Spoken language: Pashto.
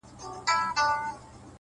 گلي پر ملا باندي راماته نسې _